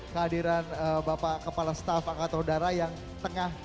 kehadiran bapak kepala staff angkatan udara yang